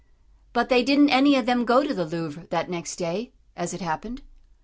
But they didn't any of them go to the Louvre that next day, as it happened.